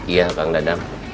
iya bang dadam